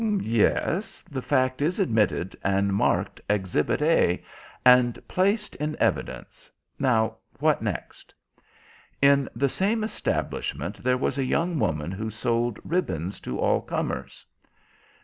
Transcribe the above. "Yes. The fact is admitted, and marked Exhibit A, and placed in evidence. Now, what next?" "In the same establishment there was a young woman who sold ribbons to all comers?"